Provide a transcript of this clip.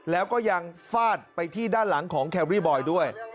แล้วก็ยังฟาดไปที่ด้านหลังของแครรี่บอยด้วย